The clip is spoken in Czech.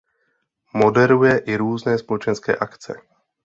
Moderuje i různé společenské akce.